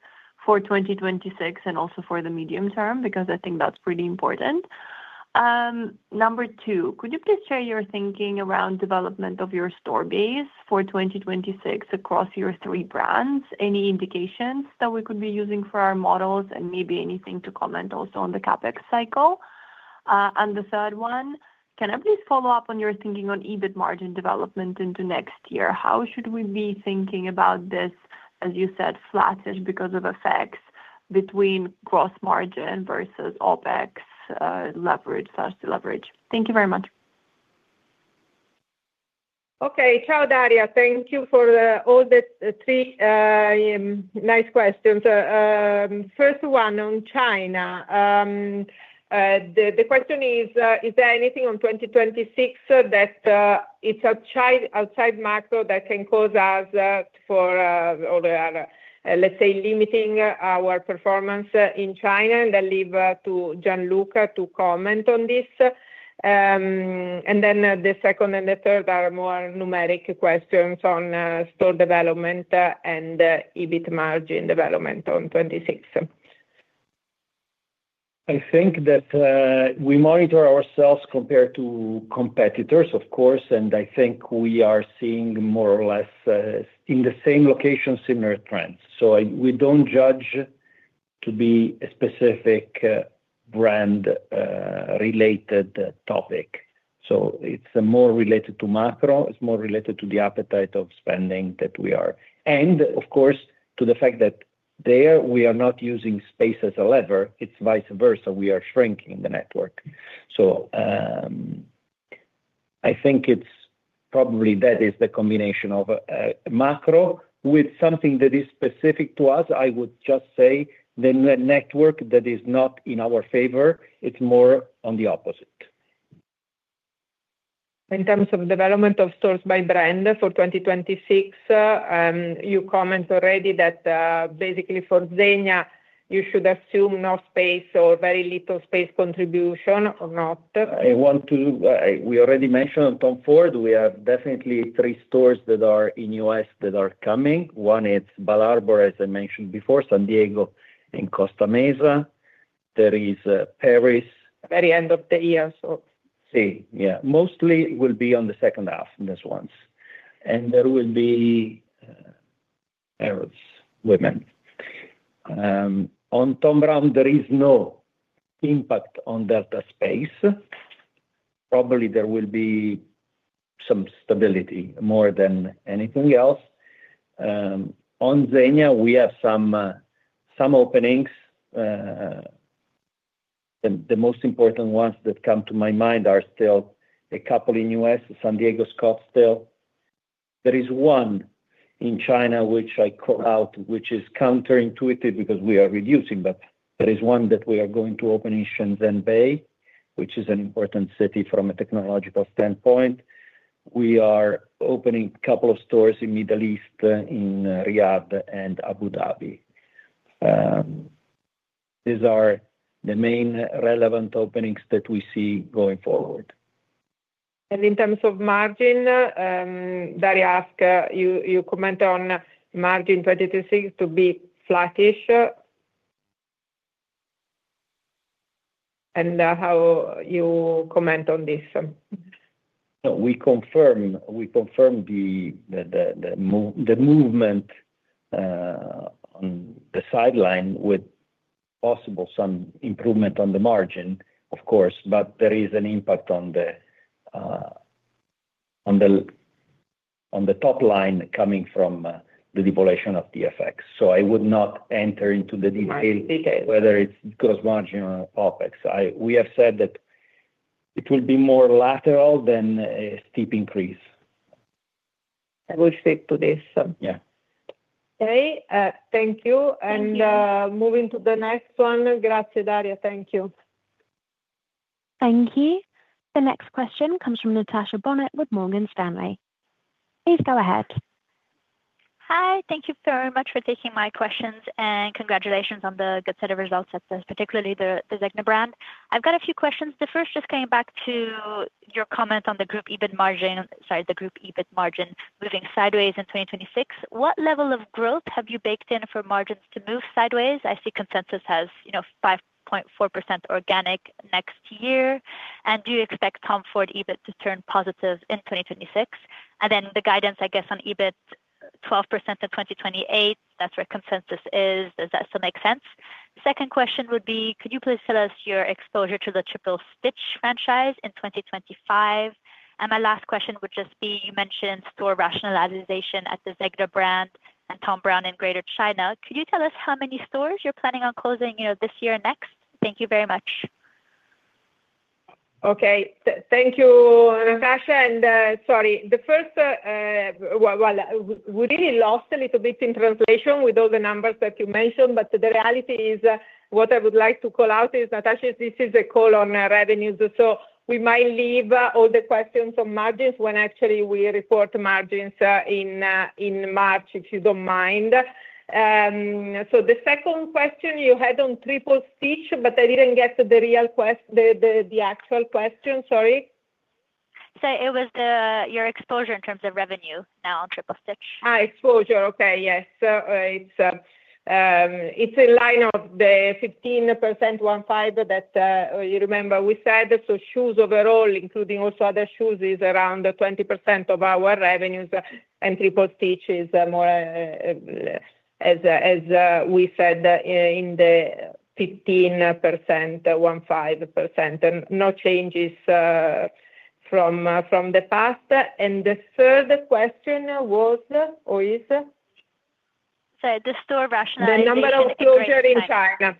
for 2026 and also for the medium term? Because I think that's pretty important. Number two, could you please share your thinking around development of your store base for 2026 across your three brands? Any indications that we could be using for our models and maybe anything to comment also on the CapEx cycle? The third one, can I please follow up on your thinking on EBIT margin development into next year? How should we be thinking about this, as you said, flattish because of effects between gross margin versus OPEX leverage/de-leverage? Thank you very much. Okay. Ciao, Daria. Thank you for all the three nice questions. First one on China. The question is, is there anything on 2026 that it's outside macro that can cause us for, let's say, limiting our performance in China? And I leave to Gianluca to comment on this. And then the second and the third are more numeric questions on store development and EBIT margin development on 26. I think that we monitor ourselves compared to competitors, of course. I think we are seeing more or less in the same location, similar trends. We don't judge to be a specific brand-related topic. It's more related to macro. It's more related to the appetite of spending that we are. Of course, to the fact that there we are not using space as a lever. It's vice versa. We are shrinking the network. So I think probably that is the combination of macro with something that is specific to us. I would just say the network that is not in our favor, it's more on the opposite. In terms of development of stores by brand for 2026, you comment already that basically for Zegna, you should assume no space or very little space contribution or not? I want to, we already mentioned Tom Ford. We have definitely three stores that are in the US that are coming. One, it's Bal Harbour, as I mentioned before, San Diego and Costa Mesa. There is Paris. Very end of the year, so. See. Yeah. Mostly will be on the second half in these ones. And there will be. [inaudible] On Thom Browne, there is no impact on DTC space. Probably there will be some stability more than anything else. On Zegna, we have some openings. The most important ones that come to my mind are still a couple in the U.S., San Diego, Scottsdale. There is one in China which I call out, which is counterintuitive because we are reducing, but there is one that we are going to open in Shenzhen Bay, which is an important city from a technological standpoint. We are opening a couple of stores in the Middle East, in Riyadh and Abu Dhabi. These are the main relevant openings that we see going forward. In terms of margin, Daria asked, you comment on margin 2026 to be flattish. And how you comment on this? No. We confirm the movement on the sideline with possible some improvement on the margin, of course. But there is an impact on the top line coming from the depletion of the effects. So I would not enter into the detail whether it's gross margin or OpEx. We have said that it will be more lateral than a steep increase. I will stick to this. Okay. Thank you. Moving to the next one. Grazie, Daria. Thank you. Thank you. The next question comes from Natasha Bonnet with Morgan Stanley. Please go ahead. Hi. Thank you very much for taking my questions. Congratulations on the good set of results at this, particularly the Zegna brand. I've got a few questions. The first, just coming back to your comment on the group EBIT margin, sorry, the group EBIT margin, moving sideways in 2026. What level of growth have you baked in for margins to move sideways? I see consensus has 5.4% organic next year. Do you expect Tom Ford EBIT to turn positive in 2026? Then the guidance, I guess, on EBIT 12% in 2028, that's where consensus is. Does that still make sense? Second question would be, could you please tell us your exposure to the Triple Stitch franchise in 2025? My last question would just be, you mentioned store rationalization at the Zegna brand and Thom Browne in Greater China. Could you tell us how many stores you're planning on closing this year and next? Thank you very much. Okay. Thank you, Natasha. And sorry. The first, well, we really lost a little bit in translation with all the numbers that you mentioned. But the reality is what I would like to call out is, Natasha, this is a call on revenues. So we might leave all the questions on margins when actually we report margins in March, if you don't mind. So the second question, you had on Triple Stitch, but I didn't get the actual question. Sorry. So it was your exposure in terms of revenue now on Triple Stitch. exposure. Okay. Yes. It's in line with the 15%, 1.5% that you remember we said. So shoes overall, including also other shoes, is around 20% of our revenues. And Triple Stitch is more, as we said, in the 15%, 1.5%. No changes from the past. And the third question was, or is? Sorry. The store rationalization in 2026. The number of closures in China.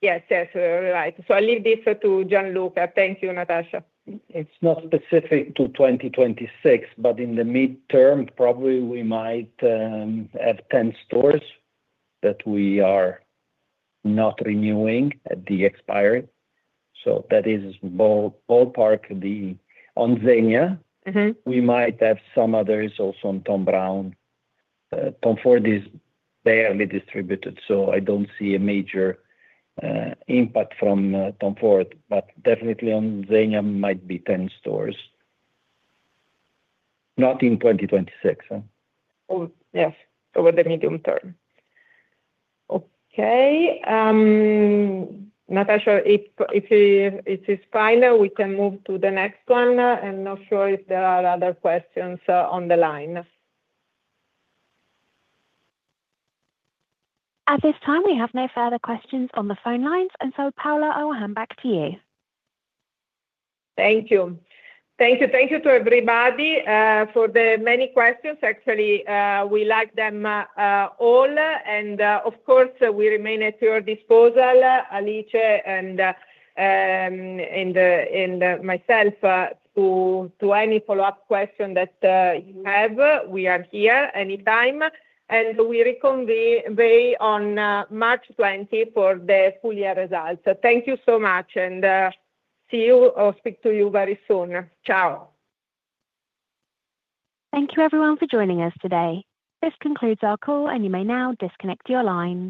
Yes. Yes. You're right. So I leave this to Gianluca. Thank you, Natasha. It's not specific to 2026, but in the mid-term, probably we might have 10 stores that we are not renewing at the expiry. So that is ballpark on Zegna. We might have some others also on Thom Browne. Tom Ford is barely distributed. So I don't see a major impact from Tom Ford. But definitely on Zegna, it might be 10 stores, not in 2026. Yes. Over the medium term. Okay. Natasha, if it is final, we can move to the next one. Not sure if there are other questions on the line. At this time, we have no further questions on the phone lines. And so, Paola, I will hand back to you. Thank you. Thank you. Thank you to everybody for the many questions. Actually, we like them all. And of course, we remain at your disposal, Alice and myself, to any follow-up question that you have. We are here anytime. And we reconvene on March 20 for the full year results. Thank you so much. And see you or speak to you very soon. Ciao. Thank you, everyone, for joining us today. This concludes our call, and you may now disconnect your lines.